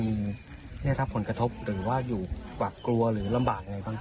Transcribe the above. มีได้รับผลกระทบหรือว่าอยู่หวาดกลัวหรือลำบากยังไงบ้าง